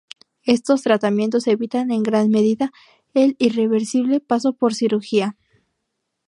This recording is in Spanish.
Estos tratamientos evitan en gran medida el irreversible paso por cirugía.